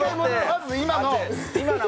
まず今の。